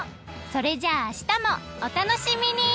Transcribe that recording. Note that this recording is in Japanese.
それじゃああしたもお楽しみに！